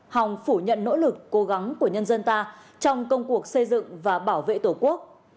hòng phủ nhận nỗ lực cố gắng của nhân dân ta trong công cuộc xây dựng và bảo vệ tổ quốc